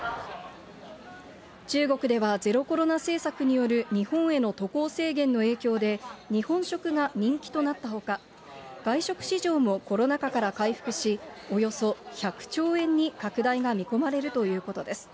中国ではゼロコロナ政策による日本への渡航制限の影響で、日本食が人気となったほか、外食市場もコロナ禍から回復し、およそ１００兆円に拡大が見込まれるということです。